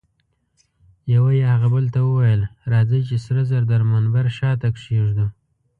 یوه یې هغه بل ته وویل: راځئ چي سره زر د منبر شاته کښېږدو.